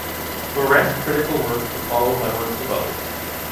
Llorente’s critical works were followed by works of others.